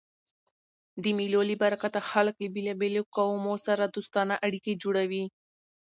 د مېلو له برکته خلک له بېلابېلو قومو سره دوستانه اړیکي جوړوي.